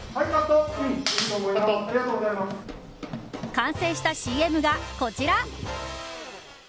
完成したＣＭがこちら。